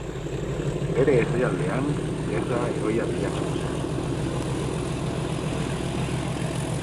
Bere herrialdean gerra heroia bilakatu zen.